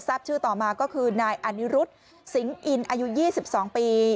ชื่อต่อมาก็คือนายอนิรุธสิงห์อินอายุ๒๒ปี